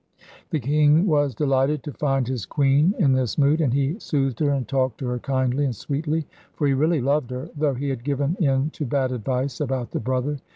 The king was delighted to find his queen in this mood, and he soothed her and talked to her kindly and sweetly, for he really loved her, though he had given in to bad advice about the brother.